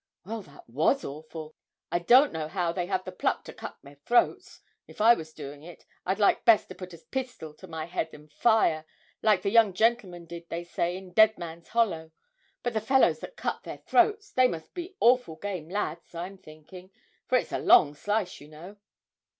'Well, that was awful! I don't know how they have pluck to cut their throats; if I was doing it, I'd like best to put a pistol to my head and fire, like the young gentleman did, they say, in Deadman's Hollow. But the fellows that cut their throats, they must be awful game lads, I'm thinkin', for it's a long slice, you know.'